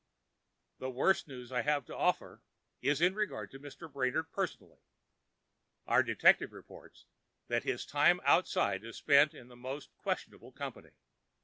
The worst news I have to offer is in regard to Mr. Brainard personally. Our detective reports that his time outside is spent in most questionable company.